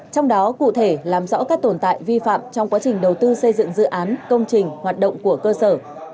trong đó cụ thể làm rõ các tồn tại vi phạm trong quá trình đầu tư xây dựng dự án công trình hoạt động của cơ sở